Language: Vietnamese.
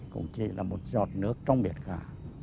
cũng chỉ là một giọt nước trong biệt cả